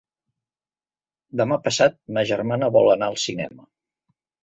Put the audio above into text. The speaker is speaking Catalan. Demà passat ma germana vol anar al cinema.